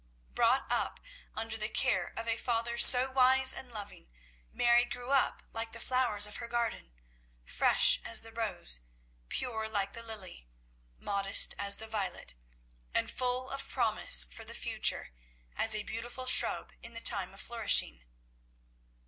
Brought up under the care of a father so wise and loving, Mary grew up like the flowers of her garden, fresh as the rose, pure like the lily, modest as the violet, and full of promise for the future, as a beautiful shrub in the time of flourishing.